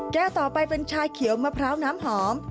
แก้วต่อไปเป็นชาเขียวมะพร้าวน้ำหอม